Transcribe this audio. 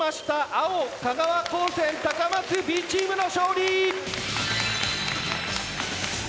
青香川高専高松Ｂチームの勝利。